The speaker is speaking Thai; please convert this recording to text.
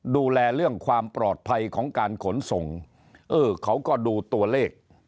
ดูแลเรื่องความปลอดภัยของการขนส่งเออเขาก็ดูตัวเลข